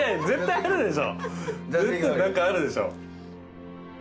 絶対何かあるでしょ。